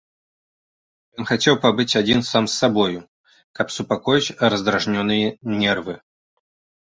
Ён хацеў пабыць адзін сам з сабою, каб супакоіць раздражнёныя нервы.